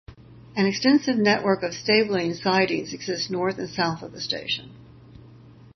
An extensive network of stabling sidings exist north and south of the station.